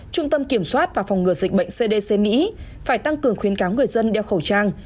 trung tâm kiểm soát và phòng ngừa dịch bệnh cdc mỹ phải tăng cường khuyến cáo người dân đeo khẩu trang